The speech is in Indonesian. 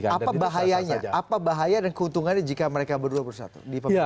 apa bahayanya dan keuntungannya jika mereka berdua bersatu